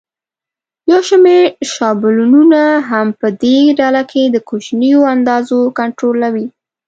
یو شمېر شابلونونه هم په دې ډله کې د کوچنیو اندازو کنټرولوي.